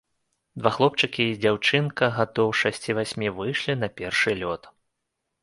Два хлопчыкі і дзяўчынка гадоў шасці-васьмі выйшлі на першы лёд.